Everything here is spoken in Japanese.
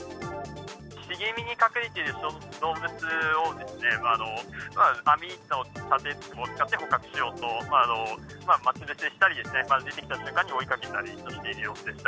茂みに隠れている動物をですね、網と盾を使って捕獲しようと待ち伏せしたり、出てきた瞬間に追いかけたりしている様子でした。